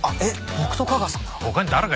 僕と架川さんが？